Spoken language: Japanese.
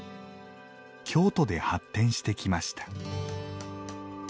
京都で発展してきました。